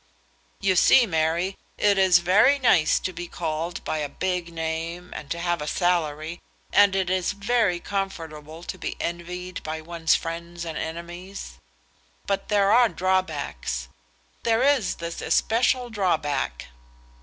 "You see, Mary, it is very nice to be called by a big name and to have a salary, and it is very comfortable to be envied by one's friends and enemies; but there are drawbacks. There is this especial drawback."